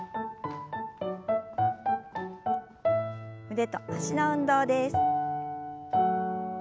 腕と脚の運動です。